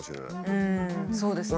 うんそうですね。